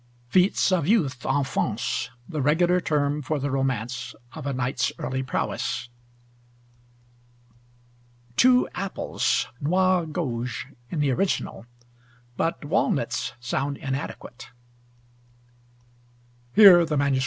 FEATS OF YOUTH: ENFANCES, the regular term for the romance of a knight's early prowess. TWO APPLES; nois gauges in the original. But walnuts sound inadequate. Here the MS.